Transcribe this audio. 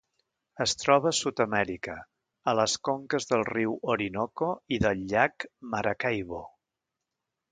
Es troba a Sud-amèrica, a les conques del riu Orinoco i del llac Maracaibo.